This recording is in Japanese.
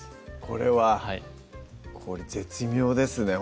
これははいこれ絶妙ですね